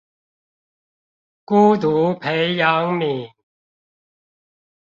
孤獨培養皿